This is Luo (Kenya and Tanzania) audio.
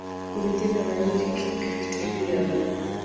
Nyithindo manyiri kik ter nyangu.